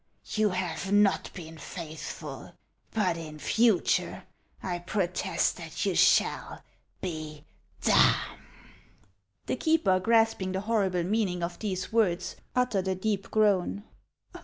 You have not been faithful ; but in future I protest that you shall be dumb." The keeper, grasping the horrible meaning of these words, uttered a deep groan.